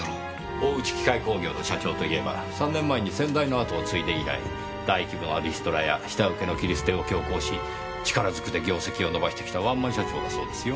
大内機械工業の社長といえば３年前に先代の跡を継いで以来大規模なリストラや下請けの切り捨てを強行し力ずくで業績を伸ばしてきたワンマン社長だそうですよ。